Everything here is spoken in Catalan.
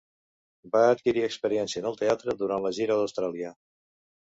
Va adquirir experiència en el teatre durant la gira d'Austràlia.